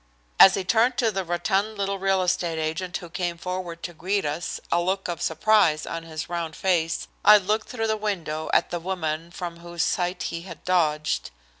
As he turned to the rotund little real estate agent, who came forward to greet us, a look of surprise on his round face, I looked through the window at the woman from whose sight he had dodged.